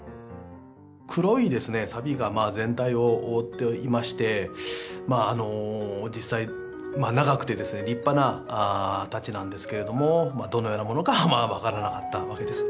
黒いさびが全体を覆っていまして実際長くてですね立派な太刀なんですけれどもどのようなものかは分からなかったわけです。